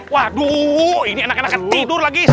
waduh ini anak anak akan tidur lagi